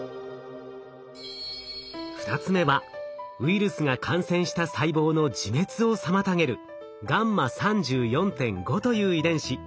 ２つ目はウイルスが感染した細胞の自滅を妨げるγ３４．５という遺伝子。